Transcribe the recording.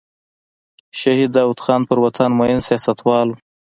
شهید داود خان پر وطن مین سیاستوال و.